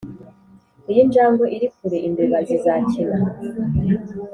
iyo injangwe iri kure imbeba zizakina